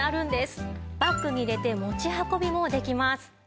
バッグに入れて持ち運びもできます。